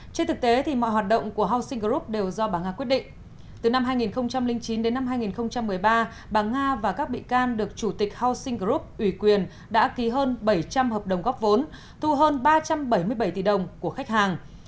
trên thực tế mọi hoạt động của housing group đều do bà nga quyết định từ năm hai nghìn chín đến năm hai nghìn một mươi ba bà nga và các bị can được chủ tịch housing group ủy quyền đã ký hơn bảy trăm linh hợp đồng góp vốn thu hơn ba trăm bảy mươi bảy tỷ đồng của khách hàng